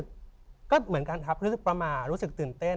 ก็เหมือนกันครับรู้สึกประมาทรู้สึกตื่นเต้น